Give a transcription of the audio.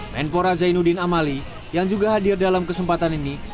menpora zainuddin amali yang juga hadir dalam kesempatan ini